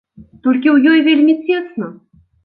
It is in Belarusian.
Толькі ў ёй вельмі цесна.